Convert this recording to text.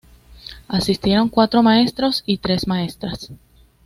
Asistieron cuatro maestros y tres maestras.